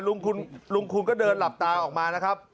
ลุงคูณก็เดินหลับตาออกมานะครับ